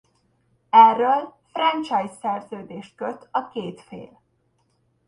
Erről franchise szerződést köt a két fél.